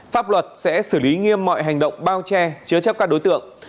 pháp luật sẽ xử lý nghiêm mọi hành động bao che chứa chấp các đối tượng